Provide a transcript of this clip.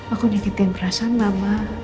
aku nyakitin perasaan mama